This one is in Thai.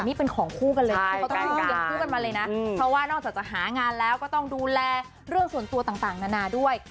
นี่เป็นของคู่กันเลยเพราะว่านอกจากจะหางานแล้วก็ต้องดูแลเรื่องส่วนตัวต่างนานาด้วย